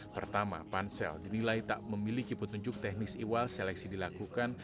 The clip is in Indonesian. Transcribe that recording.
pertama pansel dinilai tak memiliki petunjuk teknis iwal seleksi dilakukan